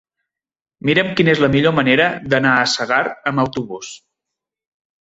Mira'm quina és la millor manera d'anar a Segart amb autobús.